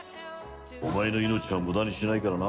お前の命はムダにしないからな。